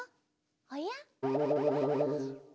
おや？